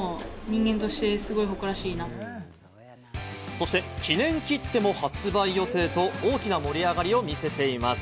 そして記念切手も発売予定と大きな盛り上がりを見せています。